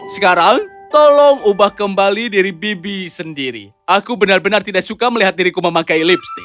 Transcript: sekarang tolong ubah kembali diri bibi sendiri aku benar benar tidak suka melihat diriku memakai lipstick